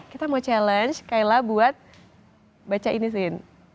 kita mau challenge kayla buat baca ini sih